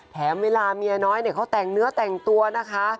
แถมเวลาเมียน้อยเนี่ยเขาแต่งเนื้อแต่งตัวนะคะ